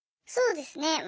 そうですね。